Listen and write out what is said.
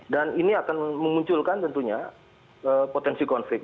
dan ini akan mengunculkan tentunya potensi konflik